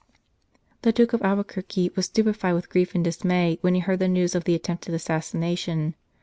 The Duke d Albuquerque was stupefied with grief and dismay when he heard the news of the attempted assassination.